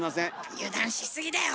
油断しすぎだよ。